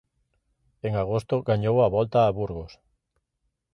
En agosto gañou a Volta a Burgos.